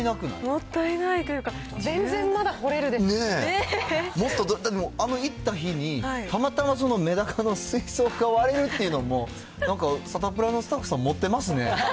もったいないというか、もっと、あの行った日に、たまたまメダカの水槽が割れるっていうのも、なんか、サタプラのスタッフさん、持ってますね。